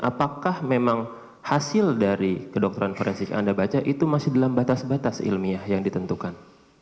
apakah memang hasil dari kedokteran forensik yang anda baca itu masih dalam batas batas ilmiah yang ditentukan